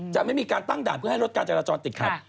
จะไม่มีการตั้งด่านเพื่อให้ลดการจราจรติดขัด